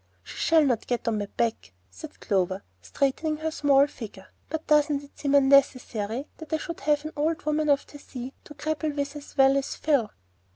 "She shall not get on my back," said Clover, straightening her small figure; "but doesn't it seem unnecessary that I should have an old woman of the sea to grapple with as well as Phil?"